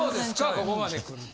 ここまで来ると。